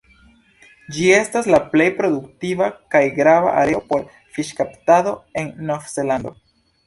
Ĝi estas la plej produktiva kaj grava areo por fiŝkaptado en Novzelando.